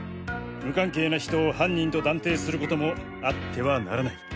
無関係な人を犯人と断定する事もあってはならない。